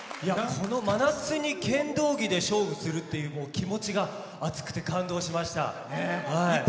この真夏に剣道着で勝負するって気持ちが熱くて感動しました。